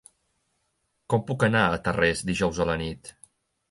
Com puc anar a Tarrés dijous a la nit?